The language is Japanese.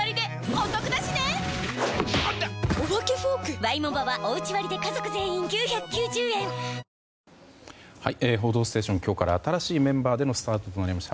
お化けフォーク⁉「報道ステーション」今日から新しいメンバーでのスタートとなりました。